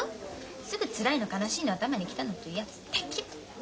すぐつらいの悲しいの頭に来たのって言うやつ大っ嫌い！